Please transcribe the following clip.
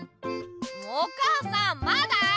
お母さんまだ？